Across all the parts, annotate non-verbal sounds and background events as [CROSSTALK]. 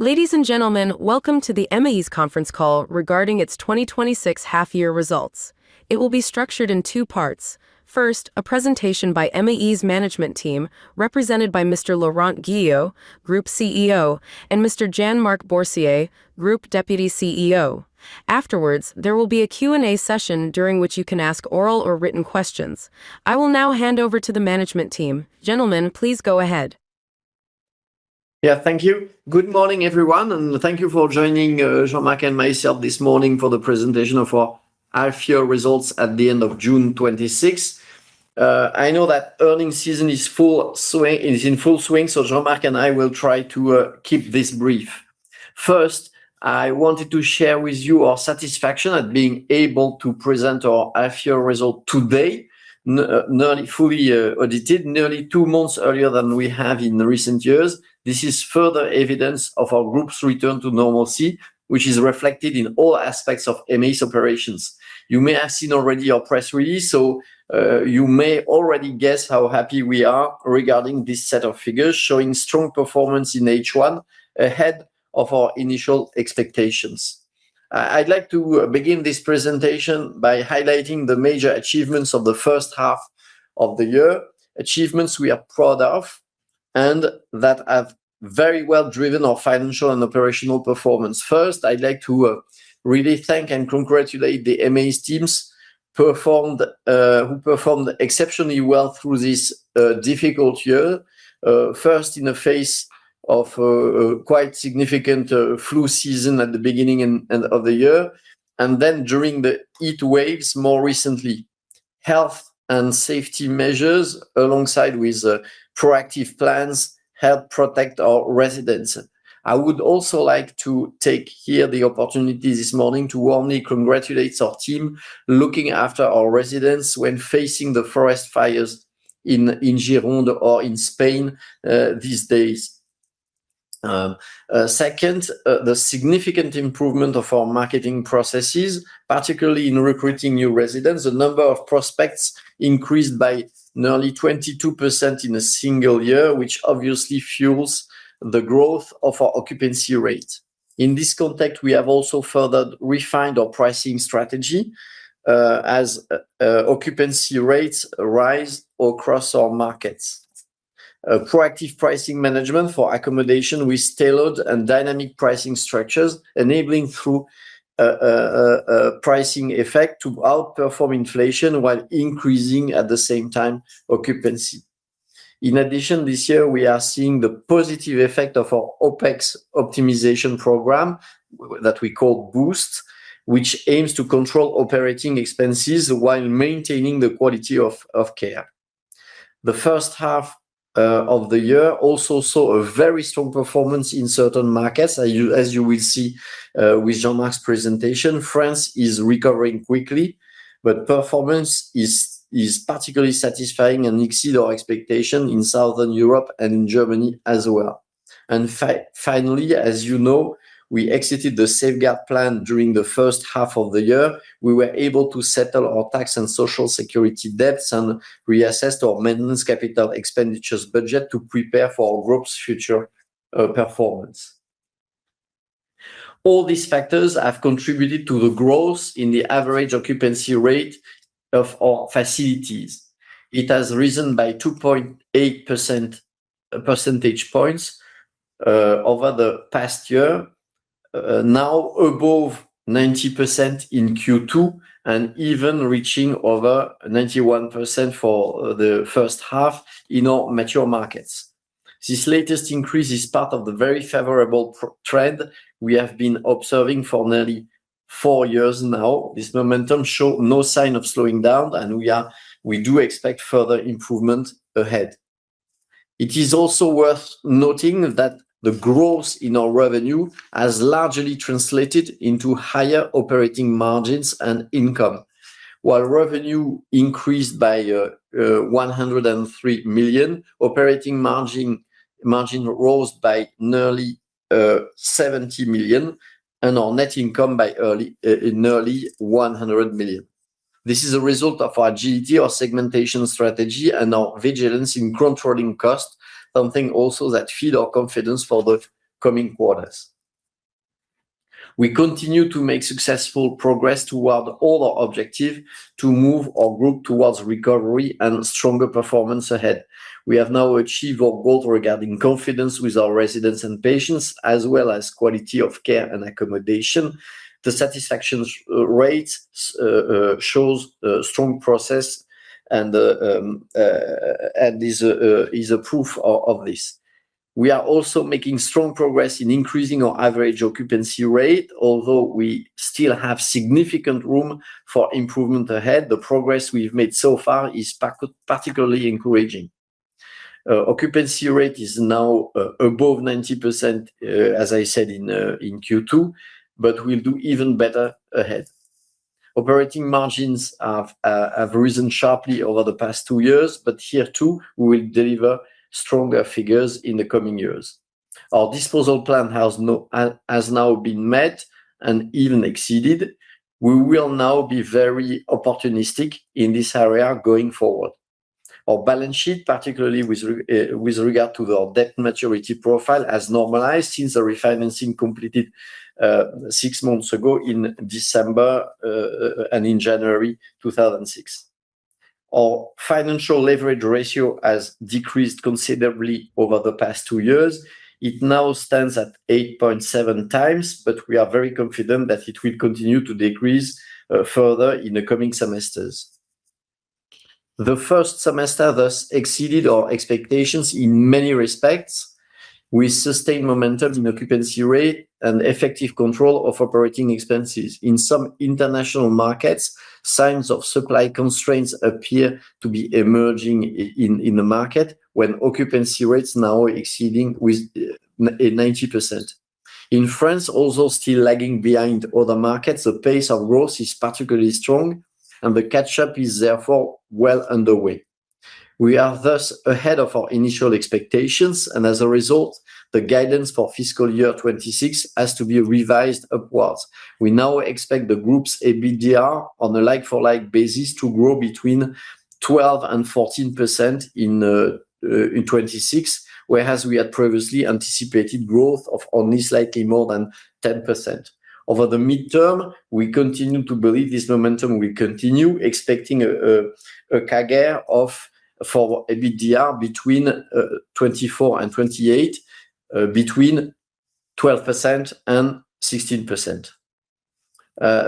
Ladies and gentlemen, welcome to the emeis conference call regarding its 2026 half-year results. It will be structured in two parts. First, a presentation by emeis management team represented by Mr. Laurent Guillot, Group Chief Executive Officer, and Mr. Jean-Marc Boursier, Group Deputy Chief Executive Officer. Afterwards, there will be a Q&A session during which you can ask oral or written questions. I will now hand over to the management team. Gentlemen, please go ahead. Thank you. Good morning, everyone, and thank you for joining Jean-Marc and myself this morning for the presentation of our half-year results at the end of June 2026. I know that earnings season is in full swing, Jean-Marc and I will try to keep this brief. First, I wanted to share with you our satisfaction at being able to present our half-year result today, fully audited nearly two months earlier than we have in recent years. This is further evidence of our group's return to normalcy, which is reflected in all aspects of emeis operations. You may have seen already our press release. You may already guess how happy we are regarding this set of figures showing strong performance in H1 ahead of our initial expectations. I'd like to begin this presentation by highlighting the major achievements of the first half of the year, achievements we are proud of, and that have very well driven our financial and operational performance. First, I'd like to really thank and congratulate the emeis teams, who performed exceptionally well through this difficult year. First, in the face of quite significant flu season at the beginning of the year, and then during the heatwaves more recently. Health and safety measures, alongside with proactive plans, help protect our residents. I would also like to take here the opportunity this morning to warmly congratulate our team looking after our residents when facing the forest fires in Gironde or in Spain these days. Second, the significant improvement of our marketing processes, particularly in recruiting new residents. The number of prospects increased by nearly 22% in a single year, which obviously fuels the growth of our occupancy rate. In this context, we have also further refined our pricing strategy, as occupancy rates rise across our markets. Proactive pricing management for accommodation with tailored and dynamic pricing structures, enabling through a pricing effect to outperform inflation while increasing at the same time occupancy. In addition, this year, we are seeing the positive effect of our OpEx optimization program that we call Boost, which aims to control operating expenses while maintaining the quality of care. The first half of the year also saw a very strong performance in certain markets. As you will see with Jean-Marc's presentation, France is recovering quickly, but performance is particularly satisfying and exceeds our expectation in Southern Europe and in Germany as well. As you know, we exited the safeguard plan during the first half of the year. We were able to settle our tax and social security debts and reassess our maintenance capital expenditures budget to prepare for our group's future performance. All these factors have contributed to the growth in the average occupancy rate of our facilities. It has risen by 2.8 percentage points over the past year, now above 90% in Q2, and even reaching over 91% for the first half in our mature markets. This latest increase is part of the very favorable trend we have been observing for nearly four years now. This momentum shows no sign of slowing down. We do expect further improvement ahead. It is also worth noting that the growth in our revenue has largely translated into higher operating margins and income. While revenue increased by 103 million, operating margin rose by nearly 70 million. Our net income by nearly 100 million. This is a result of our agility, our segmentation strategy, and our vigilance in controlling costs, something also that feed our confidence for the coming quarters. We continue to make successful progress toward all our objective to move our group towards recovery and stronger performance ahead. We have now achieved our goal regarding confidence with our residents and patients, as well as quality of care and accommodation. The satisfaction rate shows a strong progress and is a proof of this. We are also making strong progress in increasing our average occupancy rate. Although we still have significant room for improvement ahead, the progress we've made so far is particularly encouraging. Occupancy rate is now above 90%, as I said, in Q2, but we'll do even better ahead. Operating margins have risen sharply over the past two years. Here too, we will deliver stronger figures in the coming years. Our disposal plan has now been met and even exceeded. We will now be very opportunistic in this area going forward. Our balance sheet, particularly with regard to our debt maturity profile, has normalized since the refinancing completed six months ago in December and in January 2026. Our financial leverage ratio has decreased considerably over the past two years. It now stands at 8.7x. We are very confident that it will continue to decrease further in the coming semesters. The first semester thus exceeded our expectations in many respects. We sustained momentum in occupancy rate and effective control of operating expenses. In some international markets, signs of supply constraints appear to be emerging in the market when occupancy rates now exceeding 90%. In France, although still lagging behind other markets, the pace of growth is particularly strong. The catch-up is therefore well underway. We are thus ahead of our initial expectations. As a result, the guidance for FY 2026 has to be revised upwards. We now expect the group's EBITDA on a like-for-like basis to grow between 12%-14% in 2026, whereas we had previously anticipated growth of only slightly more than 10%. Over the midterm, we continue to believe this momentum will continue, expecting a CAGR for EBITDA between 2024 and 2028 between 12% and 16%.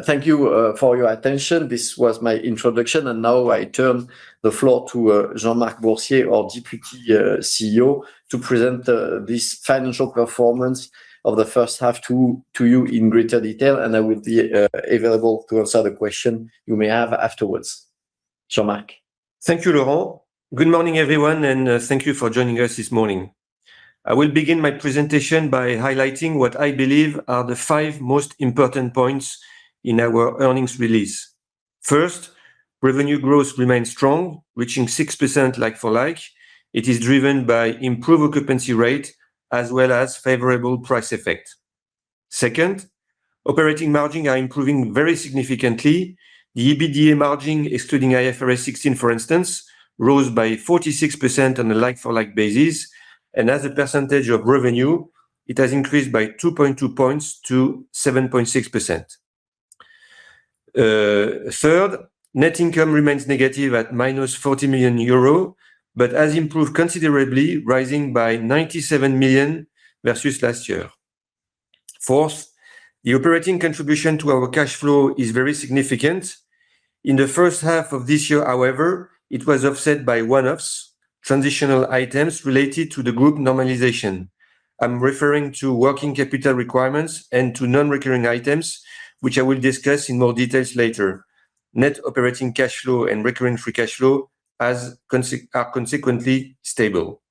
Thank you for your attention. This was my introduction. Now I turn the floor to Jean-Marc Boursier, our Deputy Chief Operating Officer, to present this financial performance of the first half to you in greater detail. I will be available to answer the question you may have afterwards. Jean-Marc. Thank you, Laurent. Good morning, everyone, and thank you for joining us this morning. I will begin my presentation by highlighting what I believe are the five most important points in our earnings release. First, revenue growth remains strong, reaching 6% like for like. It is driven by improved occupancy rate as well as favorable price effect. Second, operating margins are improving very significantly. The EBITDA margin, excluding IFRS 16, for instance, rose by 46% on a like-for-like basis, and as a percentage of revenue, it has increased by 2.2 points to 7.6%. Third, net income remains negative at -40 million euro, but has improved considerably, rising by 97 million versus last year. Fourth, the operating contribution to our cash flow is very significant. In the first half of this year, however, it was offset by one-offs, transitional items related to the group normalization. I'm referring to working capital requirements and to non-recurring items, which I will discuss in more details later. Net operating cash flow and recurring free cash flow are consequently stable.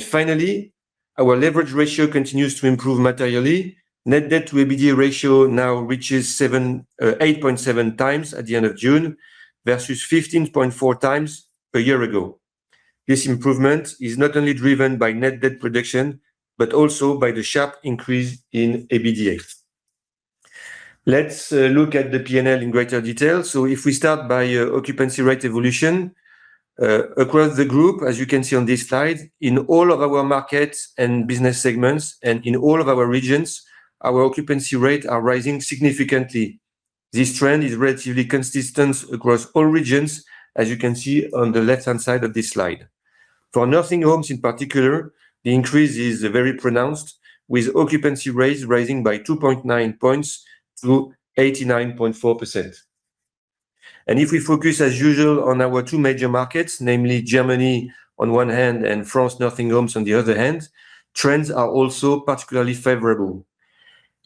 Finally, our leverage ratio continues to improve materially. Net debt to EBITDA ratio now reaches 8.7x at the end of June versus 15.4x a year ago. This improvement is not only driven by net debt reduction, but also by the sharp increase in EBITDA. If we start by occupancy rate evolution. Across the group, as you can see on this slide, in all of our markets and business segments and in all of our regions, our occupancy rate are rising significantly. This trend is relatively consistent across all regions, as you can see on the left-hand side of this slide. For nursing homes in particular, the increase is very pronounced, with occupancy rates rising by 2.9 points to 89.4%. If we focus as usual on our two major markets, namely Germany on one hand and France nursing homes on the other hand, trends are also particularly favorable.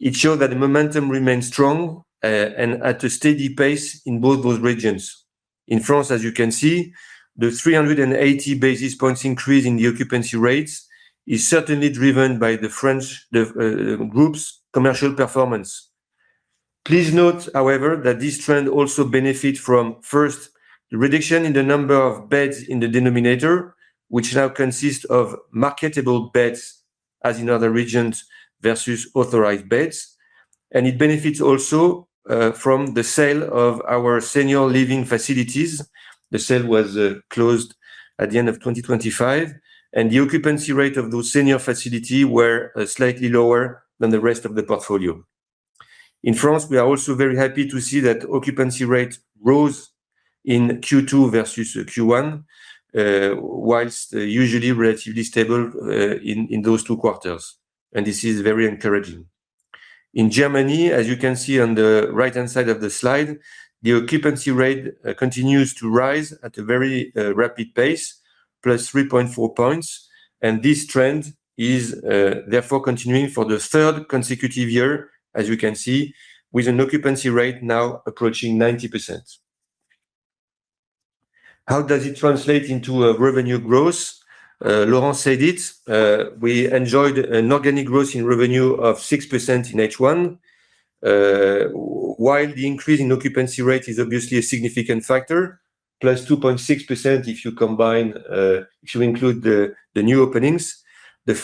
It showed that the momentum remains strong and at a steady pace in both those regions. In France, as you can see, the 380 basis points increase in the occupancy rates is certainly driven by the group's commercial performance. Please note, however, that this trend also benefit from, first, the reduction in the number of beds in the denominator, which now consists of marketable beds as in other regions versus authorized beds. It benefits also from the sale of our senior living facilities. The sale was closed at the end of 2025. The occupancy rate of those senior facility were slightly lower than the rest of the portfolio. In France, we are also very happy to see that occupancy rate rose in Q2 versus Q1, whilst usually relatively stable in those two quarters, this is very encouraging. In Germany, as you can see on the right-hand side of the slide, the occupancy rate continues to rise at a very rapid pace, plus 3.4 points. This trend is therefore continuing for the third consecutive year, as you can see, with an occupancy rate now approaching 90%. How does it translate into a revenue growth? Laurent said it. We enjoyed an organic growth in revenue of 6% in H1. While the increase in occupancy rate is obviously a significant factor, +2.6% if you include the new openings, the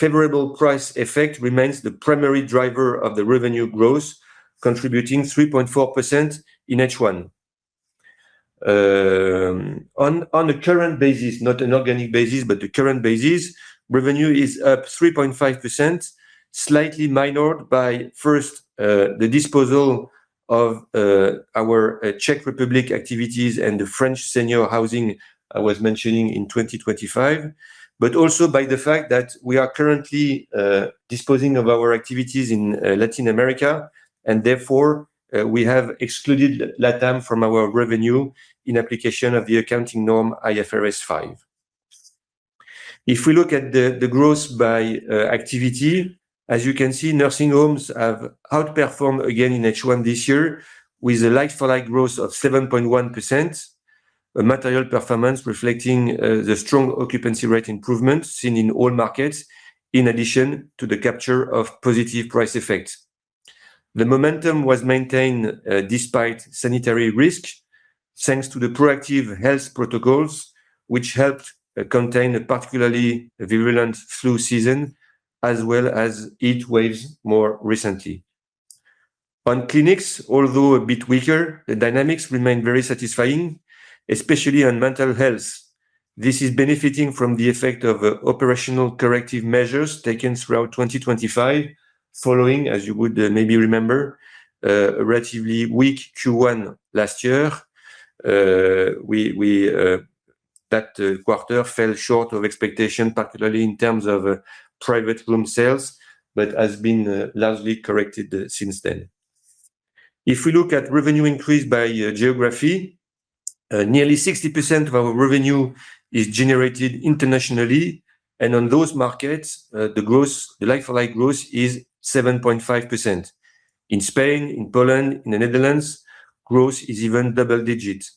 favorable price effect remains the primary driver of the revenue growth, contributing 3.4% in H1. On a current basis, not an organic basis, but the current basis, revenue is up 3.5%, slightly minored by first, the disposal of our Czech Republic activities and the French senior housing I was mentioning in 2025, but also by the fact that we are currently disposing of our activities in Latin America, and therefore, we have excluded Latam from our revenue in application of the accounting norm IFRS 5. If we look at the growth by activity, as you can see, nursing homes have outperformed again in H1 this year with a like-for-like growth of 7.1%, a material performance reflecting the strong occupancy rate improvements seen in all markets, in addition to the capture of positive price effects. The momentum was maintained despite sanitary risks thanks to the proactive health protocols, which helped contain a particularly virulent flu season as well as heat waves more recently. On clinics, although a bit weaker, the dynamics remain very satisfying, especially on mental health. This is benefiting from the effect of operational corrective measures taken throughout 2025. Following, as you would maybe remember, a relatively weak Q1 last year, that quarter fell short of expectation, particularly in terms of private room sales, but has been largely corrected since then. If we look at revenue increase by geography, nearly 60% of our revenue is generated internationally, and on those markets, the like-for-like growth is 7.5%. In Spain, in Poland, in the Netherlands, growth is even double digits.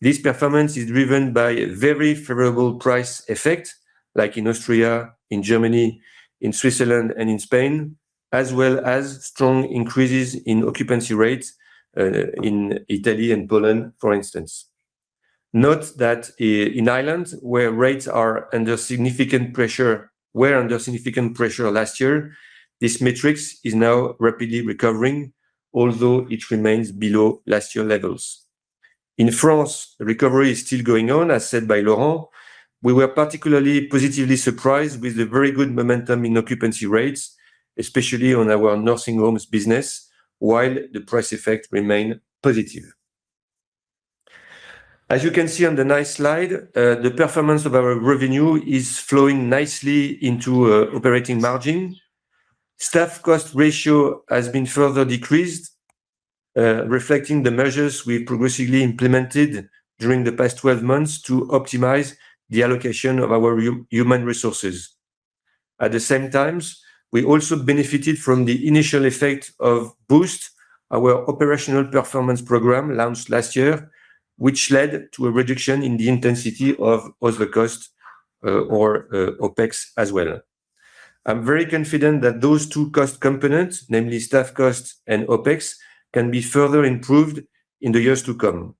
This performance is driven by a very favorable price effect, like in Austria, in Germany, in Switzerland, and in Spain, as well as strong increases in occupancy rates in Italy and Poland, for instance. Note that in Ireland, where rates were under significant pressure last year, this matrix is now rapidly recovering, although it remains below last year levels. In France, the recovery is still going on, as said by Laurent. We were particularly positively surprised with the very good momentum in occupancy rates, especially on our nursing homes business, while the price effects remain positive. As you can see on the nice slide, the performance of our revenue is flowing nicely into operating margin. Staff cost ratio has been further decreased, reflecting the measures we progressively implemented during the past 12 months to optimize the allocation of our human resources. At the same time, we also benefited from the initial effect of Boost, our operational performance program launched last year, which led to a reduction in the intensity of other costs or OpEx as well. I'm very confident that those two cost components, namely staff cost and OpEx, can be further improved in the years to come.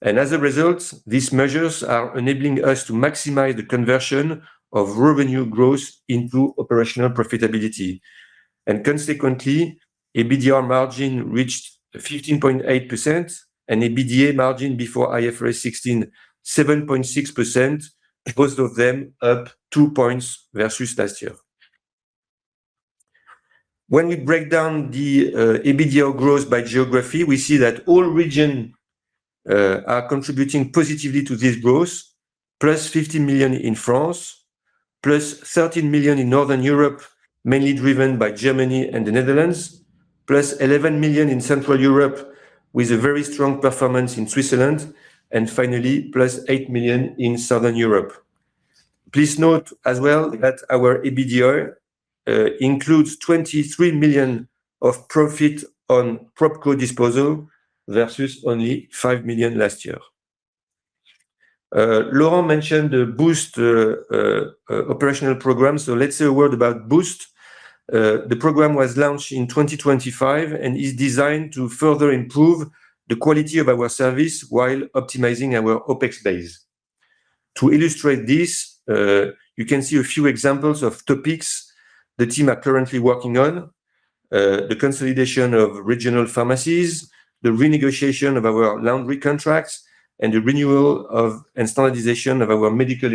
As a result, these measures are enabling us to maximize the conversion of revenue growth into operational profitability. Consequently, EBITDA margin reached 15.8% and EBITDA margin before IFRS 16, 7.6%, both of them up two points versus last year. When we break down the EBITDA growth by geography, we see that all regions are contributing positively to this growth, +15 million in France, +13 million in Northern Europe, mainly driven by Germany and the Netherlands, +11 million in Central Europe, with a very strong performance in Switzerland, and finally, +8 million in Southern Europe. Please note as well that our EBITDA includes 23 million of profit on PropCo disposal versus only 5 million last year. Laurent mentioned the Boost operational program, so let's say a word about Boost. The program was launched in 2025 and is designed to further improve the quality of our service while optimizing our OpEx base. To illustrate this, you can see a few examples of topics the team are currently working on. The consolidation of regional pharmacies, the renegotiation of our laundry contracts, and the renewal of and standardization of our medical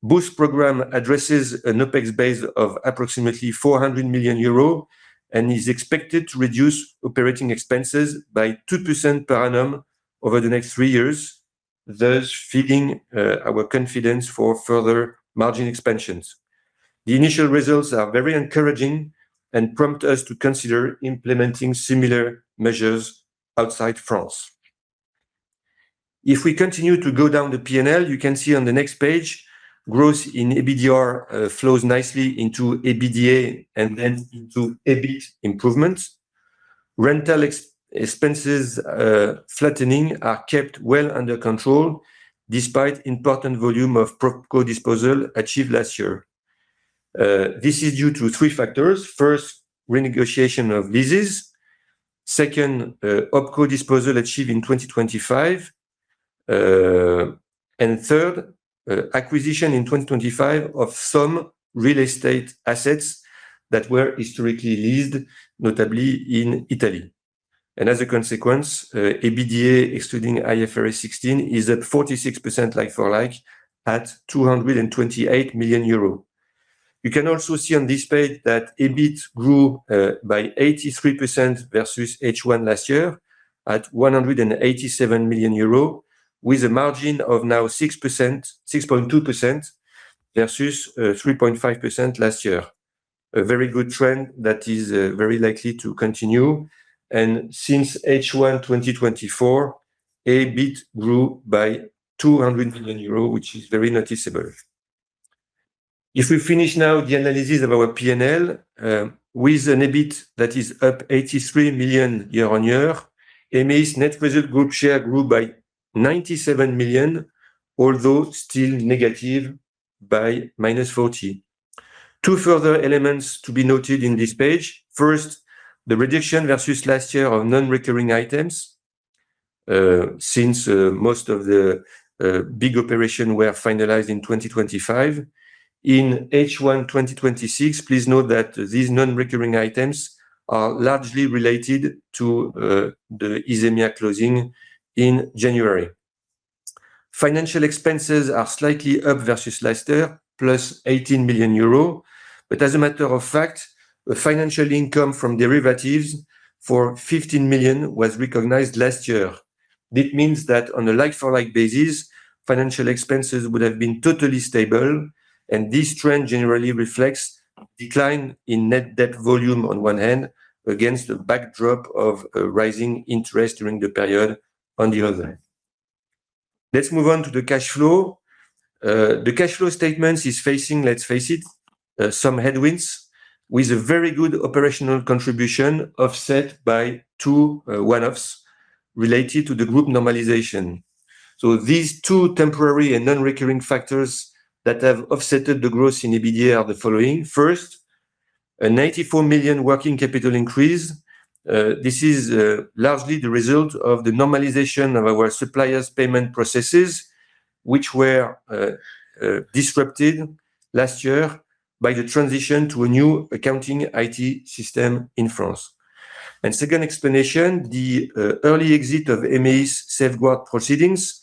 equipments are good examples of what we are tackling for the time being. Boost program addresses an OpEx base of approximately 400 million euros and is expected to reduce operating expenses by 2% per annum over the next three years, thus feeding our confidence for further margin expansions. The initial results are very encouraging and prompt us to consider implementing similar measures outside France. If we continue to go down the P&L, you can see on the next page, growth in EBITDA flows nicely into EBITDA and then into EBITDA improvements. Rental expenses flattening are kept well under control despite important volume of PropCo disposal achieved last year. This is due to three factors. First, renegotiation of leases. Second, OpCo disposal achieved in 2025. Third, acquisition in 2025 of some real estate assets that were historically leased, notably in Italy. As a consequence, EBITDA excluding IFRS 16 is at 46% like-for-like at 228 million euro. You can also see on this page that EBITDA grew by 83% versus H1 last year at 187 million euros with a margin of now 6.2% versus 3.5% last year. A very good trend that is very likely to continue. Since H1 2024, EBITDA grew by 200 million euros, which is very noticeable. If we finish now the analysis of our P&L, with an EBITDA that is up 83 million year-on-year, emeis net result group share grew by 97 million, although still negative by -40. Two further elements to be noted in this page. First, the reduction versus last year of non-recurring items. Since most of the big operation were finalized in 2025. In H1 2026, please note that these non-recurring items are largely related to the Isemia closing in January. Financial expenses are slightly up versus last year, +18 million euros. As a matter of fact, the financial income from derivatives for 15 million was recognized last year. This means that on a like-for-like basis, financial expenses would have been totally stable, and this trend generally reflects decline in net debt volume on one hand, against the backdrop of a rising interest during the period on the other. Let's move on to the cash flow. The cash flow statement is facing, let's face it, some headwinds with a very good operational contribution offset by two one-offs related to the group normalization. These two temporary and non-recurring factors that have offsetted the growth in EBITDA are the following. First, a 94 million working capital increase. This is largely the result of the normalization of our suppliers payment processes, which were disrupted last year by the transition to a new accounting IT system in France. Second explanation, the early exit of emeis safeguard proceedings,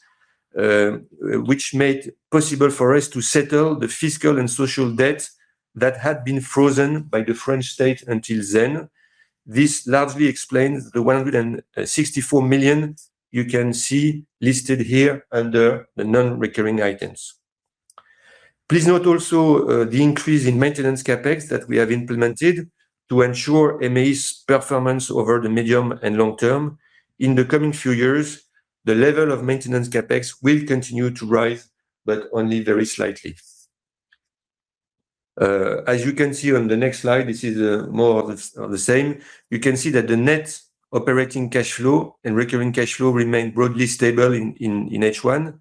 which made possible for us to settle the fiscal and social debt that had been frozen by the French state until then. This largely explains the 164 million you can see listed here under the non-recurring items. Please note also, the increase in maintenance CapEx that we have implemented to ensure emeis performance over the medium and long term. In the coming few years, the level of maintenance CapEx will continue to rise, but only very slightly. As you can see on the next slide, this is more of the same. You can see that the net operating cash flow and recurring cash flow remained broadly stable in H1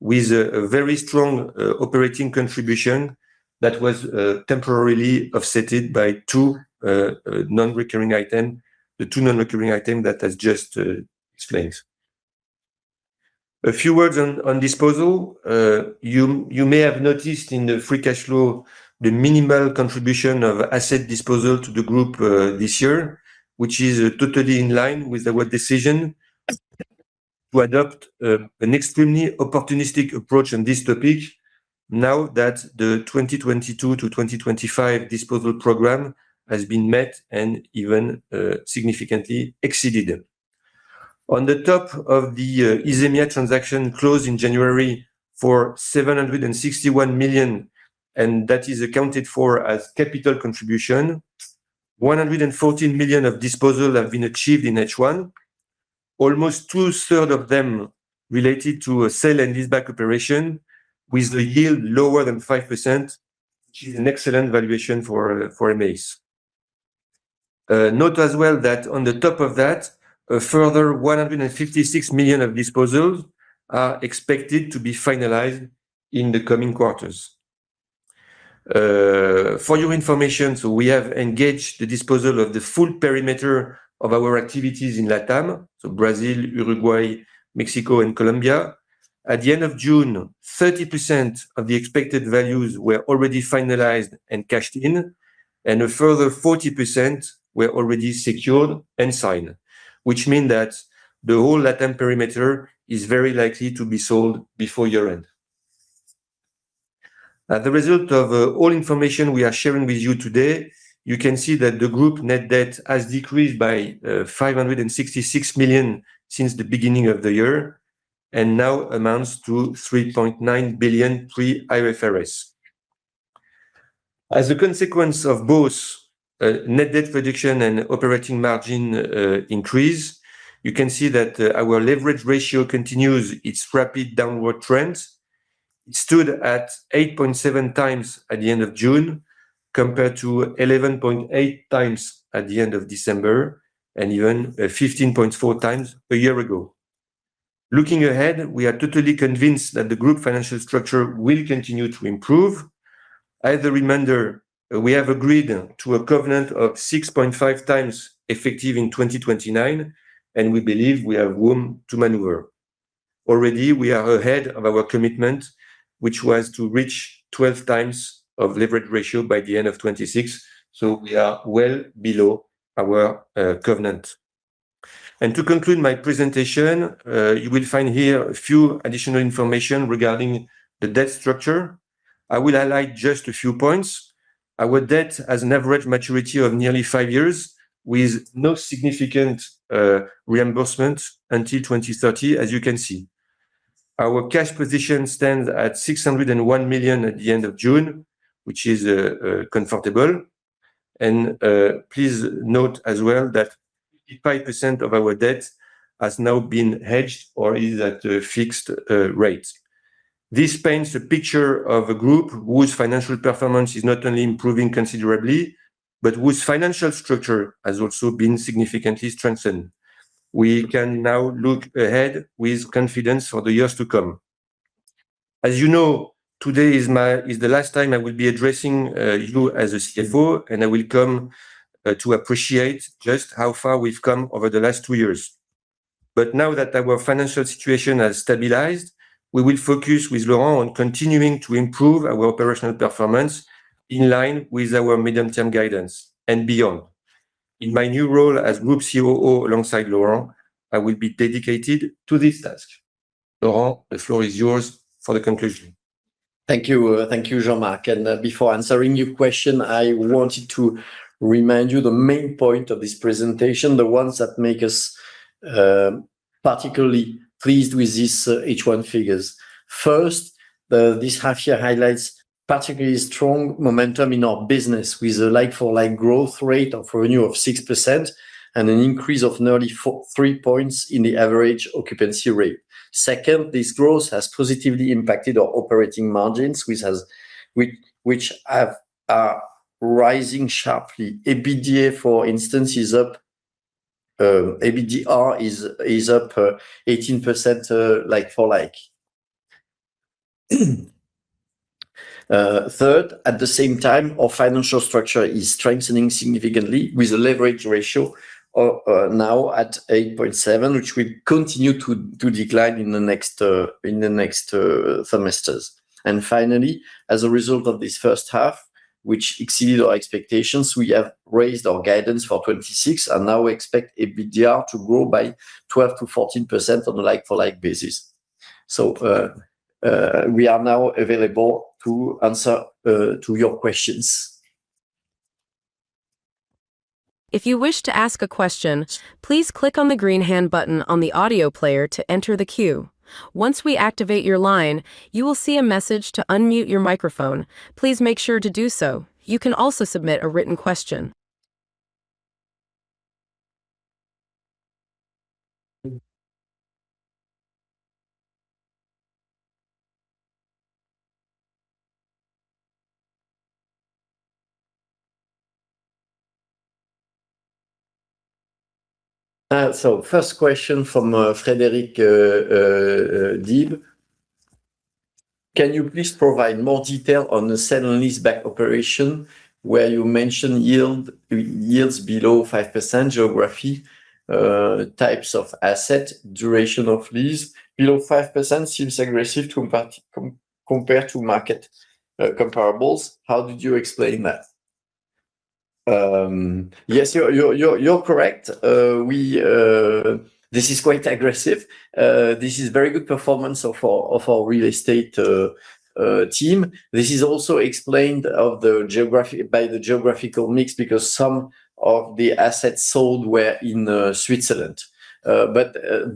with a very strong operating contribution that was temporarily offset by two non-recurring items, the two non-recurring items that I just explained. A few words on disposal. You may have noticed in the free cash flow the minimal contribution of asset disposal to the group this year, which is totally in line with our decision to adopt an extremely opportunistic approach on this topic now that the 2022 to 2025 disposal program has been met and even significantly exceeded. On the top of the Isemia transaction closed in January for 761 million, and that is accounted for as capital contribution, 114 million of disposals have been achieved in H1. Almost two-thirds of them related to a sale and leaseback operation with the yield lower than 5%, which is an excellent valuation for emeis. Note as well that on the top of that, a further 156 million of disposals are expected to be finalized in the coming quarters. For your information, we have engaged the disposal of the full perimeter of our activities in Latam, so Brazil, Uruguay, Mexico, and Colombia. At the end of June, 30% of the expected values were already finalized and cashed in, and a further 40% were already secured and signed, which mean that the whole Latam perimeter is very likely to be sold before year-end. As a result of all information we are sharing with you today, you can see that the group net debt has decreased by 566 million since the beginning of the year and now amounts to 3.9 billion pre-IFRS. As a consequence of both net debt reduction and operating margin increase, you can see that our leverage ratio continues its rapid downward trend. It stood at 8.7x at the end of June compared to 11.8x at the end of December, and even 15.4x a year ago. Looking ahead, we are totally convinced that the group financial structure will continue to improve. As a reminder, we have agreed to a covenant of 6.5x effective in 2029, and we believe we have room to maneuver. Already, we are ahead of our commitment, which was to reach 12x of leverage ratio by the end of 2026. We are well below our covenant. To conclude my presentation, you will find here a few additional information regarding the debt structure. I will highlight just a few points. Our debt has an average maturity of nearly five years, with no significant reimbursement until 2030, as you can see. Our cash position stands at 601 million at the end of June, which is comfortable. Please note as well that 55% of our debt has now been hedged or is at a fixed rate. This paints a picture of a group whose financial performance is not only improving considerably, but whose financial structure has also been significantly strengthened. We can now look ahead with confidence for the years to come. As you know, today is the last time I will be addressing you as a Chief Financial Officer, and I will come to appreciate just how far we've come over the last two years. Now that our financial situation has stabilized, we will focus with Laurent on continuing to improve our operational performance in line with our medium-term guidance and beyond. In my new role as group Chief Operating Officer alongside Laurent, I will be dedicated to this task. Laurent, the floor is yours for the conclusion. Thank you. Thank you, Jean-Marc. Before answering your question, I wanted to remind you the main point of this presentation, the ones that make us particularly pleased with these H1 figures. First, this half year highlights particularly strong momentum in our business with a like-for-like growth rate of revenue of 6% and an increase of nearly three points in the average occupancy rate. Second, this growth has positively impacted our operating margins, which are rising sharply. EBITDA, for instance, is up. EBITDA is up 18% like for like. Third, at the same time, our financial structure is strengthening significantly with a leverage ratio now at 8.7, which will continue to decline in the next semesters. Finally, as a result of this first half, which exceeded our expectations, we have raised our guidance for 2026 and now expect EBITDA to grow by 12%-14% on a like-for-like basis. We are now available to answer to your questions. If you wish to ask a question, please click on the green hand button on the audio player to enter the queue. Once we activate your line, you will see a message to unmute your microphone. Please make sure to do so. You can also submit a written question. First question from Frédéric Dib. Can you please provide more detail on the sale and leaseback operation where you mentioned yields below 5%? Geography, types of asset, duration of lease. Below 5% seems aggressive compared to market comparables. How did you explain that? Yes, you are correct. This is quite aggressive. This is very good performance of our real estate team. This is also explained by the geographical mix because some of the assets sold were in Switzerland.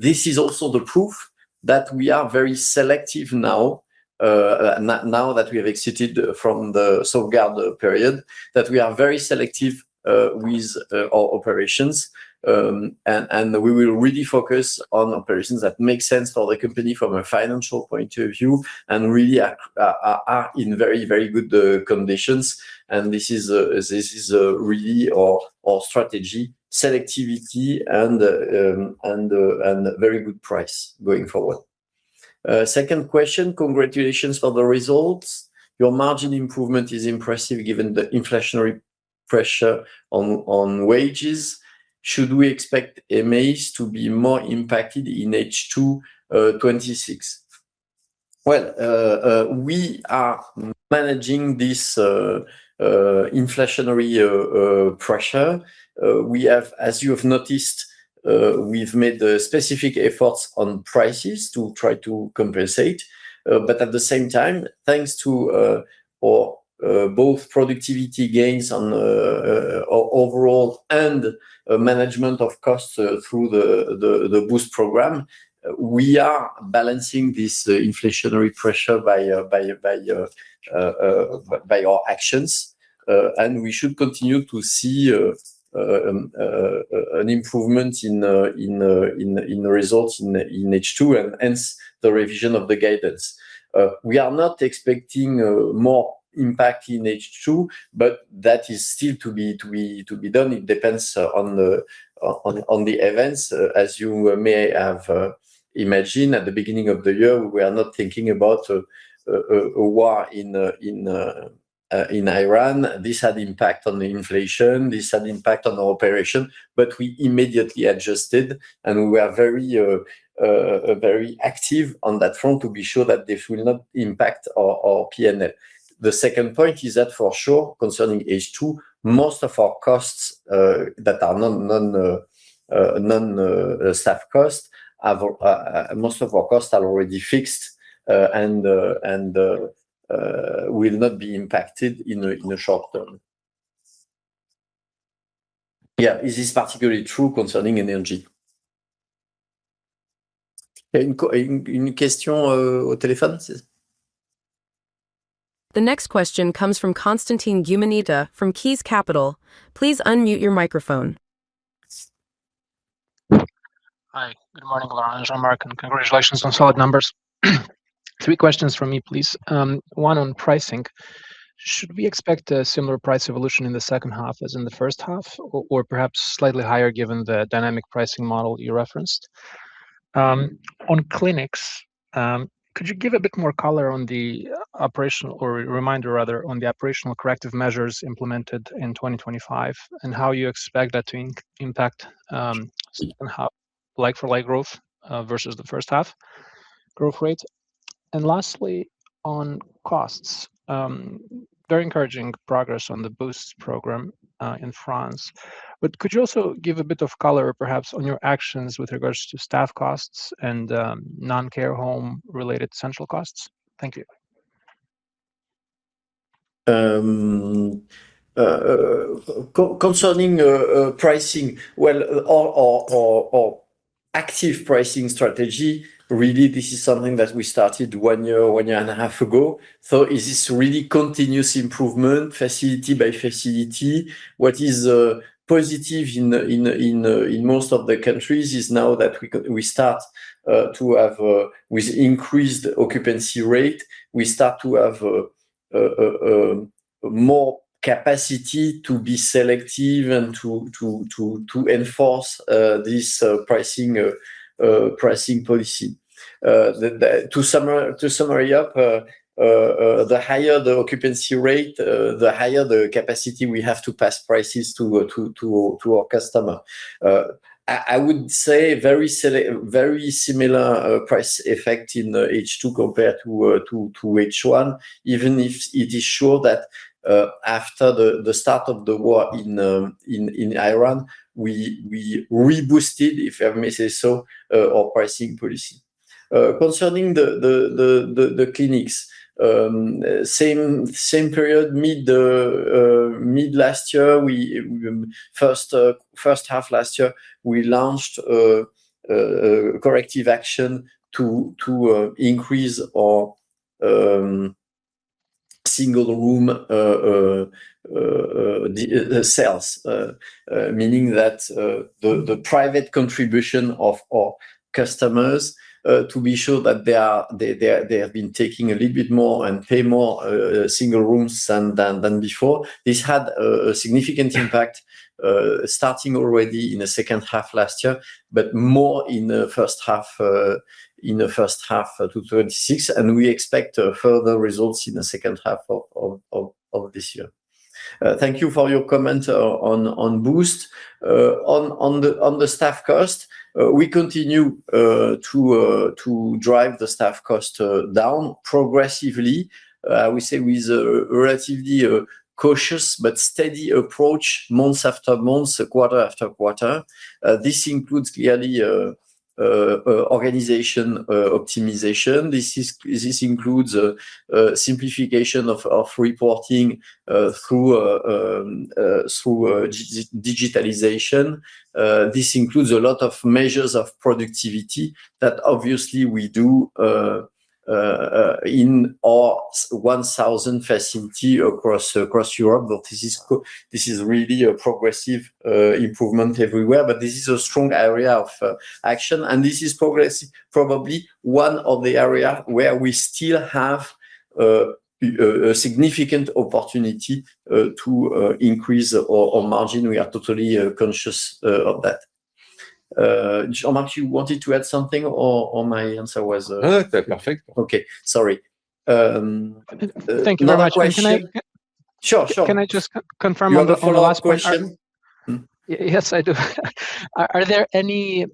This is also the proof that we are very selective now that we have exited from the safeguard period, that we are very selective with our operations. We will really focus on operations that make sense for the company from a financial point of view and really are in very good conditions. This is really our strategy, selectivity and very good price going forward. Second question. Congratulations for the results. Your margin improvement is impressive given the inflationary pressure on wages. Should we expect emeis to be more impacted in H2 2026? We are managing this inflationary pressure. As you have noticed, we have made specific efforts on prices to try to compensate. At the same time, thanks to both productivity gains on overall and management of costs through the Boost program, we are balancing this inflationary pressure by our actions. We should continue to see an improvement in the results in H2, and hence the revision of the guidance. We are not expecting more impact in H2, but that is still to be done. It depends on the events. As you may have imagined, at the beginning of the year, we are not thinking about a war in Iran. This had impact on the inflation, this had impact on our operation. We immediately adjusted and we are very active on that front to be sure that this will not impact our P&L. The second point is that for sure, concerning H2, most of our costs that are non-staff costs are already fixed and will not be impacted in the short term. This is particularly true concerning energy. Any question on the telephone? The next question comes from Constantin Gumenita from Caius Capital. Please unmute your microphone. Hi. Good morning, Laurent and Jean-Marc, and congratulations on solid numbers. Three questions from me, please. One on pricing. Should we expect a similar price evolution in the second half as in the first half, or perhaps slightly higher given the dynamic pricing model you referenced? On clinics, could you give a bit more color or reminder on the operational corrective measures implemented in 2025, and how you expect that to impact second half like-for-like growth versus the first half growth rate? Lastly, on costs. Very encouraging progress on the Boost program in France. Could you also give a bit of color perhaps on your actions with regards to staff costs and non-care home related central costs? Thank you. Concerning pricing, or active pricing strategy, really this is something that we started one year and a half ago. It is really continuous improvement, facility by facility. What is positive in most of the countries is now that with increased occupancy rate, we start to have more capacity to be selective and to enforce this pricing policy. To sum up, the higher the occupancy rate, the higher the capacity we have to pass prices to our customer. I would say very similar price effect in H2 compared to H1, even if it is sure that after the start of the war in Iran, we reboosted, if I may say so, our pricing policy. Concerning the clinics. Same period, mid last year, first half last year, we launched a corrective action to increase our single room sales. Meaning that the private contribution of our customers to be sure that they have been taking a little bit more and pay more single rooms than before. This had a significant impact starting already in the second half last year, but more in the first half of 2026, and we expect further results in the second half of this year. Thank you for your comment on Boost. On the staff costs, we continue to drive the staff costs down progressively. We say with a relatively cautious but steady approach month after month, quarter after quarter. This includes clearly organization optimization. This includes simplification of reporting through digitalization. This includes a lot of measures of productivity that obviously we do in our 1,000 facilities across Europe. This is really a progressive improvement everywhere. This is a strong area of action. This is probably one of the area where we still have a significant opportunity to increase our margin. We are totally conscious of that. Jean-Marc, you wanted to add something or my answer was sufficient? No, perfect. Okay. Sorry. Thank you very much. Can I ask a question? Sure. Can I just confirm on the last question? You have a follow-up question? Yes, I do. Are there any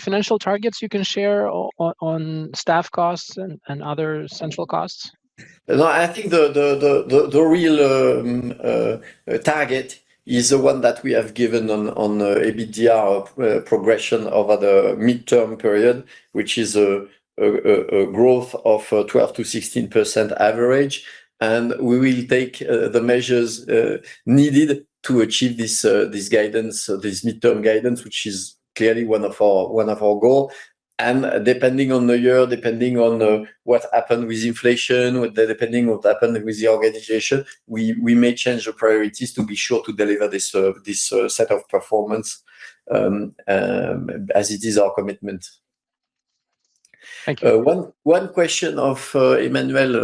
financial targets you can share on staff costs and other central costs? No, I think the real target is the one that we have given on the EBITDA progression over the midterm period, which is a growth of 12%-16% average. We will take the measures needed to achieve this midterm guidance, which is clearly one of our goal. Depending on the year, depending on what happen with inflation, depending what happen with the organization, we may change the priorities to be sure to deliver this set of performance as it is our commitment Thank you. One question from Emmanuel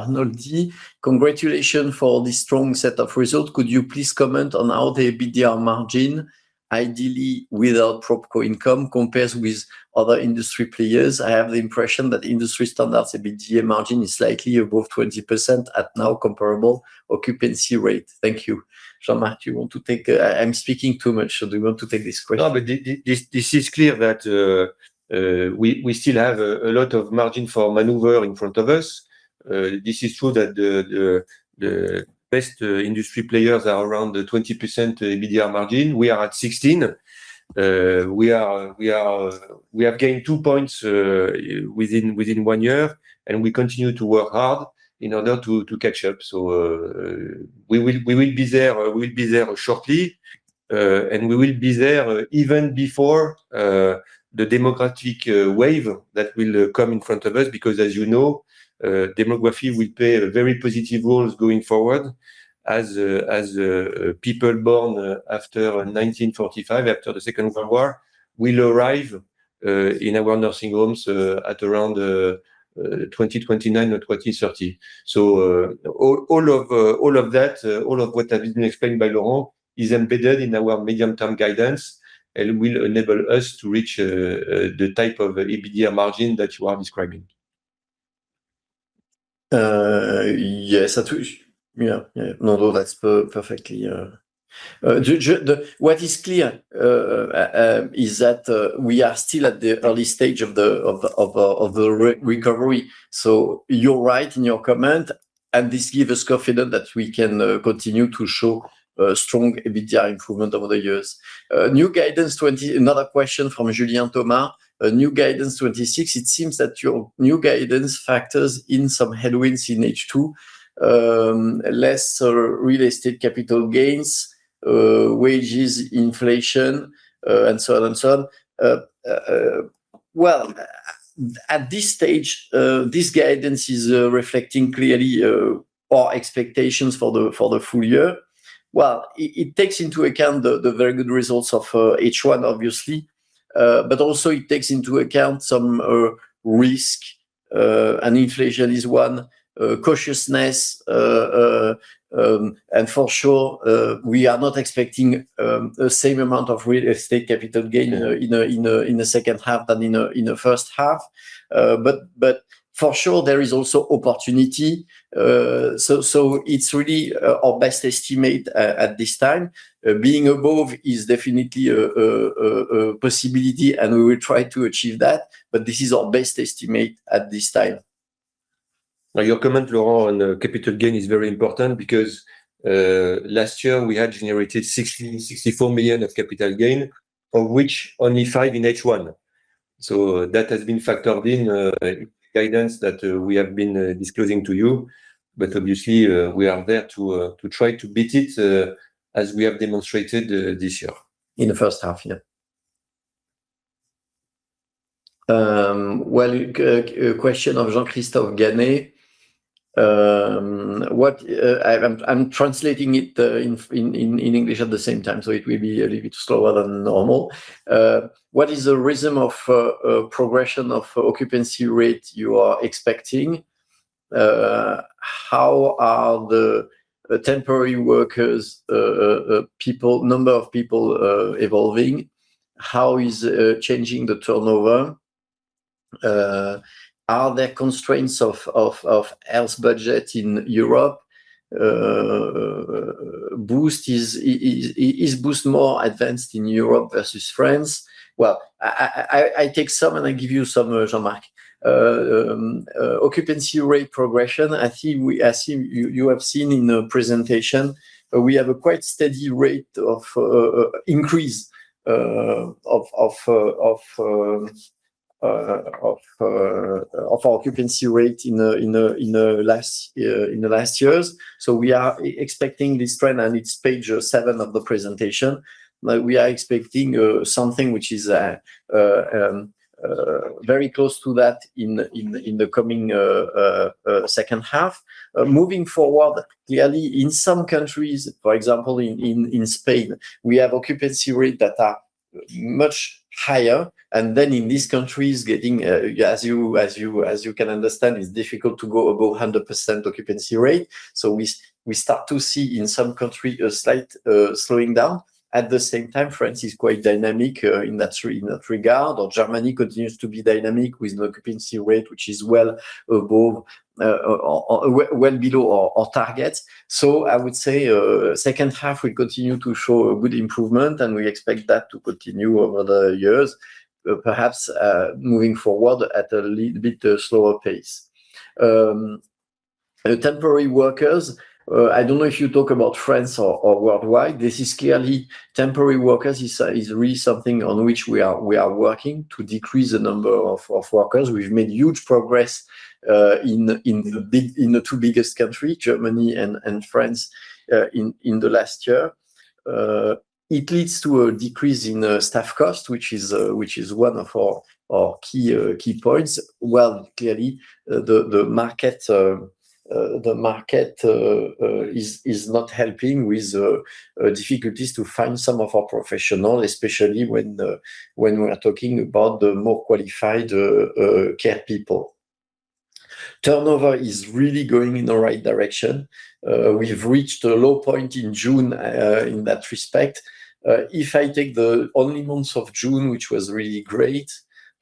Arnoldi. "Congratulations for the strong set of results. Could you please comment on how the EBITDA margin, ideally without pro forma income, compares with other industry players? I have the impression that industry standard EBITDA margin is slightly above 20% at now comparable occupancy rate. Thank you." Jean-Marc, I'm speaking too much. Do you want to take this question? This is clear that we still have a lot of margin for maneuver in front of us. This is true that the best industry players are around the 20% EBITDA margin. We are at 16%. We have gained two points within one year, and we continue to work hard in order to catch up. We will be there shortly, and we will be there even before the demographic wave that will come in front of us, because as you know, demography will play a very positive role going forward as people born after 1945, after the Second World War, will arrive in our nursing homes at around 2029 or 2030. All of what have been explained by Laurent is embedded in our medium-term guidance and will enable us to reach the type of EBITDA margin that you are describing. Yes. What is clear is that we are still at the early stage of the recovery. You're right in your comment, and this give us confidence that we can continue to show strong EBITDA improvement over the years. Another question from Julian Thomas. "New guidance 2026. It seems that your new guidance factors in some headwinds in H2, less real estate capital gains, wages, inflation, and so on and so on." Well, at this stage, this guidance is reflecting clearly our expectations for the full year. Well, it takes into account the very good results of H1, obviously, but also it takes into account some risk, and inflation is one, cautiousness. For sure, we are not expecting the same amount of real estate capital gain in the second half than in the first half. For sure, there is also opportunity. It's really our best estimate at this time. Being above is definitely a possibility, and we will try to achieve that, but this is our best estimate at this time. Your comment, Laurent, on capital gain is very important because last year we had generated 64 million of capital gain, of which only five in H1. That has been factored in guidance that we have been disclosing to you. Obviously, we are there to try to beat it, as we have demonstrated this year. In the first half, yeah. A question of Jean-Christophe Ganay. I'm translating it in English at the same time, so it will be a little bit slower than normal. "What is the rhythm of progression of occupancy rate you are expecting? How are the temporary workers number of people evolving? How is changing the turnover? Are there constraints of health budget in Europe? Is Boost more advanced in Europe versus France?" I take some, and I give you some, Jean-Marc. Occupancy rate progression. I assume you have seen in the presentation, we have a quite steady rate of increase of occupancy rate in the last years. We are expecting this trend, and it's page seven of the presentation. We are expecting something which is very close to that in the coming second half. Moving forward, clearly in some countries, for example, in Spain, we have occupancy rate that are much higher. In these countries, as you can understand, it's difficult to go above 100% occupancy rate. We start to see in some country a slight slowing down. At the same time, France is quite dynamic in that regard, or Germany continues to be dynamic with an occupancy rate which is well below our target. I would say second half, we continue to show a good improvement, and we expect that to continue over the years, perhaps moving forward at a little bit slower pace. Temporary workers. I don't know if you talk about France or worldwide. This is clearly temporary workers is really something on which we are working to decrease the number of workers. We've made huge progress in the two biggest countries, Germany and France, in the last year. It leads to a decrease in staff cost, which is one of our key points. Well, clearly, the market is not helping with difficulties to find some of our professional, especially when we are talking about the more qualified care people. Turnover is really going in the right direction. We have reached a low point in June in that respect. If I take the only month of June, which was really great,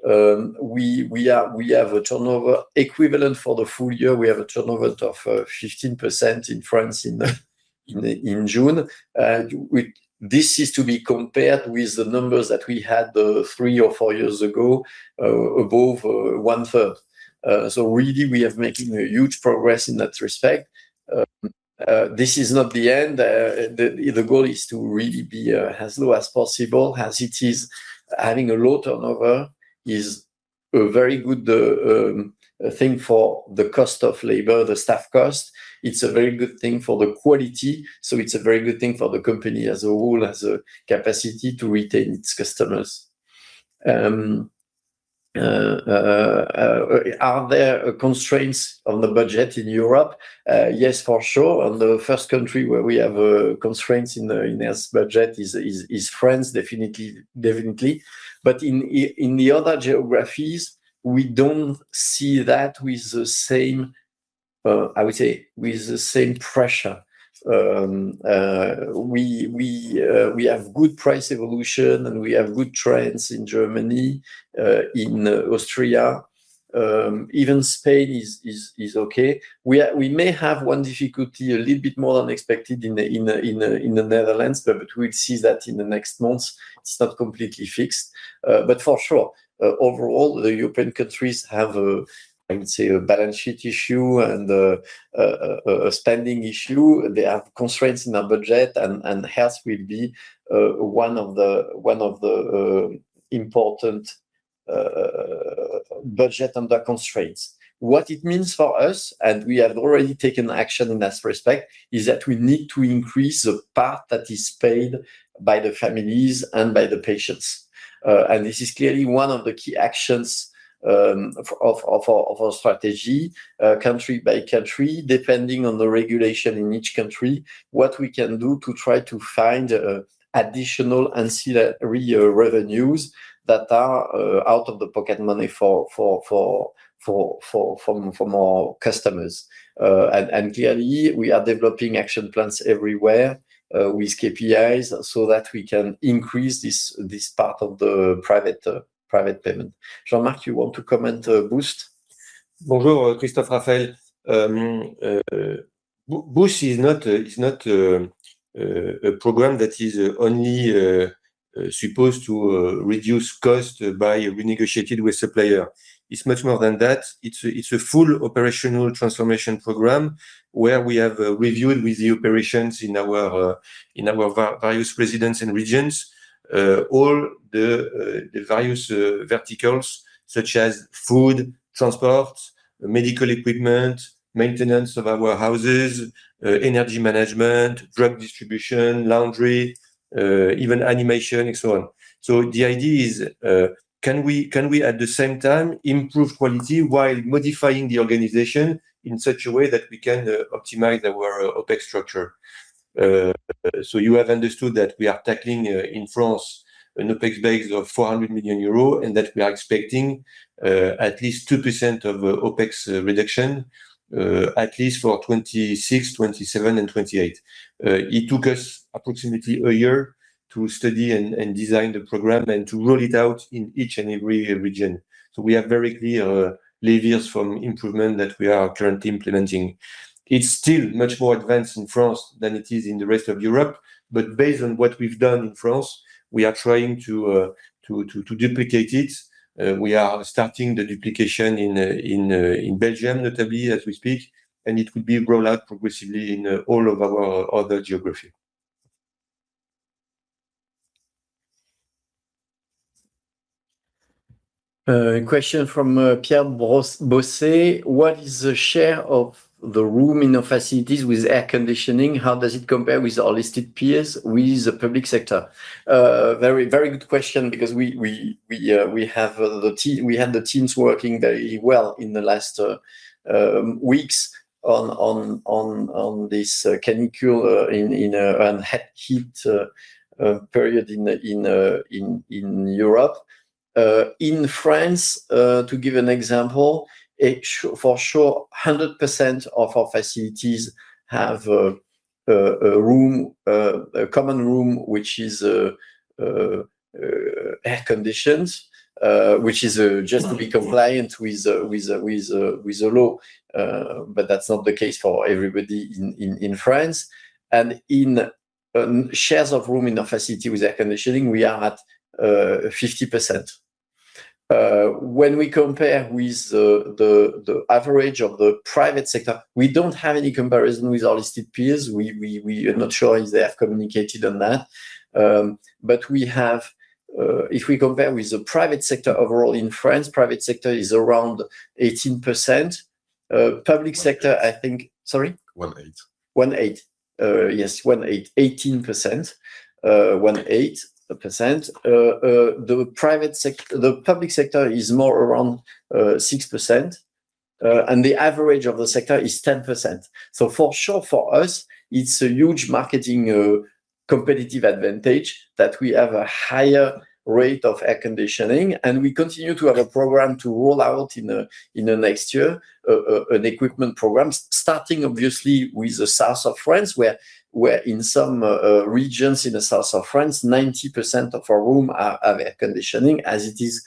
we have a turnover equivalent for the full year. We have a turnover of 15% in France in June. This is to be compared with the numbers that we had three or four years ago, above one-third. Really, we are making huge progress in that respect. This is not the end. The goal is to really be as low as possible, as it is having a low turnover is a very good thing for the cost of labor, the staff cost. It's a very good thing for the quality, it's a very good thing for the company as a whole, as a capacity to retain its customers. Are there constraints on the budget in Europe? Yes, for sure. The first country where we have constraints in the in-house budget is France, definitely. In the other geographies, we don't see that with the same pressure. We have good price evolution, and we have good trends in Germany, in Austria. Even Spain is okay. We may have one difficulty, a little bit more than expected in the Netherlands, but we'll see that in the next months. It's not completely fixed. For sure, overall, the European countries have a, I would say, a balance sheet issue and a spending issue. They have constraints in their budget, health will be one of the important budget under constraints. What it means for us, and we have already taken action in this respect, is that we need to increase the part that is paid by the families and by the patients. This is clearly one of the key actions of our strategy country by country, depending on the regulation in each country, what we can do to try to find additional ancillary revenues that are out-of-the-pocket money for more customers. Clearly, we are developing action plans everywhere with KPIs so that we can increase this part of the private payment. Jean-Marc, you want to comment Boost? Bonjour. [AUDIO DISTORTION] Boost is not a program that is only supposed to reduce cost by renegotiating with supplier. It's much more than that. It's a full operational transformation program where we have reviewed with the operations in our various residents and regions all the various verticals such as food, transport, medical equipment, maintenance of our houses, energy management, drug distribution, laundry, even animation and so on. The idea is can we at the same time improve quality while modifying the organization in such a way that we can optimize our OpEx structure? You have understood that we are tackling in France an OpEx base of 400 million euros and that we are expecting at least 2% of OpEx reduction at least for 2026, 2027, and 2028. It took us approximately a year to study and design the program and to roll it out in each and every region. We are very clear levers from improvement that we are currently implementing. It's still much more advanced in France than it is in the rest of Europe. Based on what we've done in France, we are trying to duplicate it. We are starting the duplication in Belgium notably as we speak, and it will be rolled out progressively in all of our other geography. A question from Pierre Bosse. What is the share of the room in your facilities with air conditioning? How does it compare with our listed peers with the public sector? Very good question because we had the teams working very well in the last weeks on this canicule and heat period in Europe. In France, to give an example, for sure, 100% of our facilities have a common room which is air conditioned, which is just to be compliant with the law. That's not the case for everybody in France. In shares of room in the facility with air conditioning, we are at 50%. When we compare with the average of the private sector, we don't have any comparison with our listed peers. We are not sure if they have communicated on that. If we compare with the private sector overall in France, private sector is around 18%. Public sector, Sorry? 18. 18%. Yes, 18%, 18%. 18%. The public sector is more around 6%, and the average of the sector is 10%. For sure, for us, it's a huge marketing competitive advantage that we have a higher rate of air conditioning, and we continue to have a program to roll out in the next year, an equipment program starting, obviously, with the south of France, where in some regions in the south of France, 90% of our rooms have air conditioning, as it is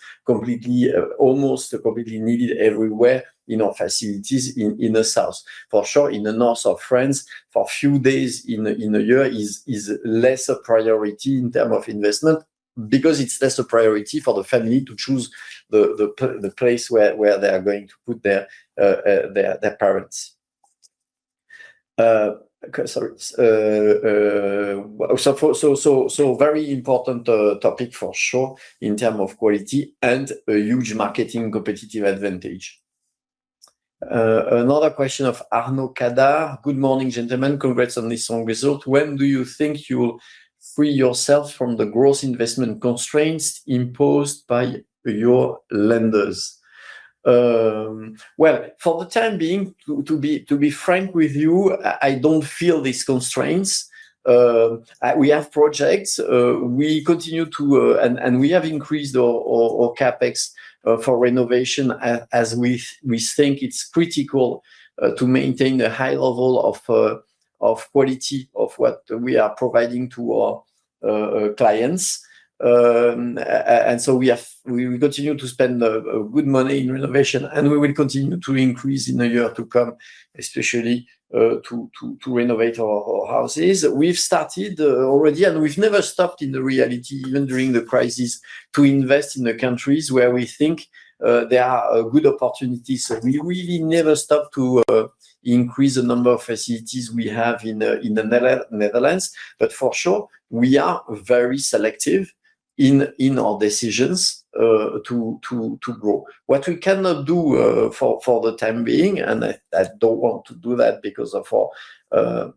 almost completely needed everywhere in our facilities in the south. For sure, in the north of France, for a few days in a year, it is less a priority in terms of investment because it's less a priority for the family to choose the place where they are going to put their parents. Very important topic for sure in terms of quality and a huge marketing competitive advantage. Another question of Arnaud Cada. "Good morning, gentlemen. Congrats on this strong result. When do you think you will free yourselves from the growth investment constraints imposed by your lenders?" For the time being, to be frank with you, I don't feel these constraints. We have projects, and we have increased our CapEx for renovation as we think it's critical to maintain the high level of quality of what we are providing to our clients. We continue to spend good money in renovation, and we will continue to increase in the year to come, especially to renovate our houses. We've started already, and we've never stopped in reality, even during the crisis, to invest in the countries where we think there are good opportunities. We really never stop to increase the number of facilities we have in the Netherlands. For sure, we are very selective in our decisions to grow. What we cannot do for the time being, and I don't want to do that because of our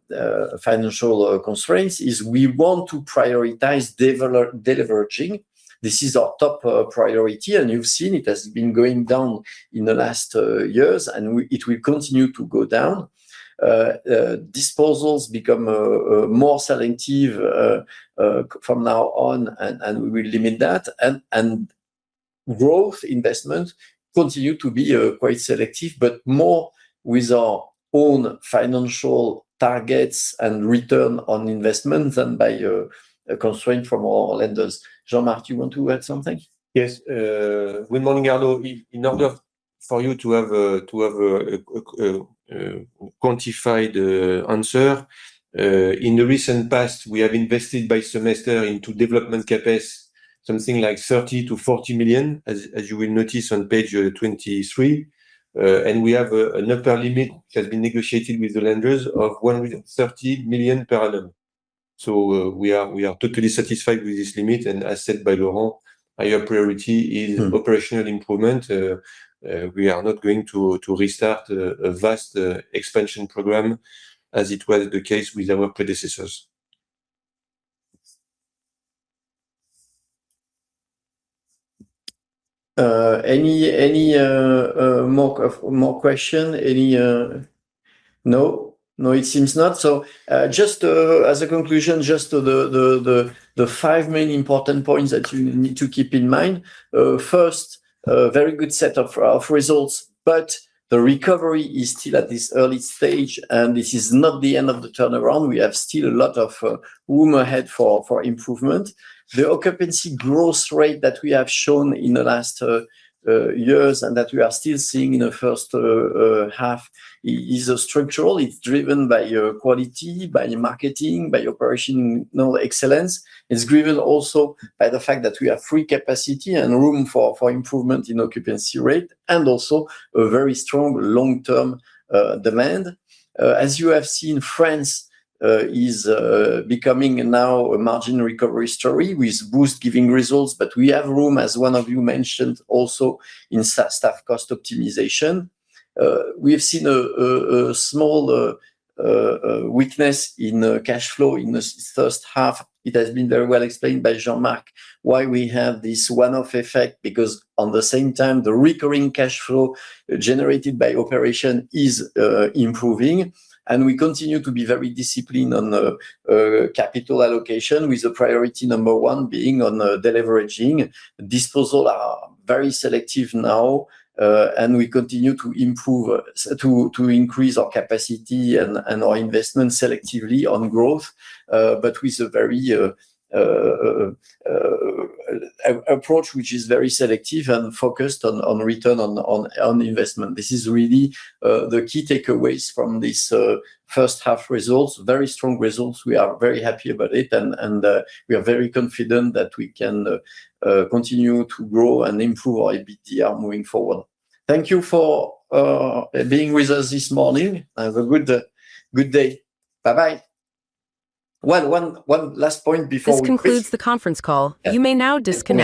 financial constraints, is we want to prioritize deleveraging. This is our top priority, and you've seen it has been going down in the last years, and it will continue to go down. Disposals become more selective from now on, and we will limit that, and growth investment continue to be quite selective, but more with our own financial targets and return on investment than by a constraint from our lenders. Jean-Marc, you want to add something? Yes. Good morning, Arnaud. In order for you to have a quantified answer, in the recent past, we have invested by semester into development CapEx, something like 30 million to 40 million, as you will notice on page 23. We have an upper limit, which has been negotiated with the lenders, of 130 million per annum. We are totally satisfied with this limit, and as said by Laurent, our priority is operational improvement. We are not going to restart a vast expansion program as it was the case with our predecessors. Any more questions? No, it seems not. Just as a conclusion, the five main important points that you need to keep in mind. First, very good set of results, but the recovery is still at this early stage, and this is not the end of the turnaround. We have still a lot of room ahead for improvement. The occupancy growth rate that we have shown in the last years and that we are still seeing in the first half is structural. It is driven by quality, by marketing, by operational excellence. It is driven also by the fact that we have free capacity and room for improvement in occupancy rate and also a very strong long-term demand. As you have seen, France is becoming now a margin recovery story with Boost giving results. We have room, as one of you mentioned also, in staff cost optimization. We have seen a small weakness in cash flow in this first half. It has been very well explained by Jean-Marc Boursier why we have this one-off effect because at the same time, the recurring cash flow generated by operation is improving and we continue to be very disciplined on capital allocation with the priority number one being on deleveraging. Disposals are very selective now, and we continue to increase our capacity and our investment selectively on growth, but with an approach which is very selective and focused on return on investment. This is really the key takeaways from this first half results. Very strong results. We are very happy about it, and we are very confident that we can continue to grow and improve our EBITDA moving forward. Thank you for being with us this morning. Have a good day. Bye-bye. One last point before we finish. This concludes the conference call. You may now disconnect.